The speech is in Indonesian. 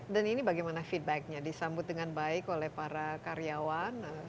dan ini bagaimana feedbacknya disambut dengan baik oleh para karyawan